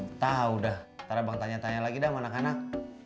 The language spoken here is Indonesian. entah udah ntar bang tanya tanya lagi dah anak anak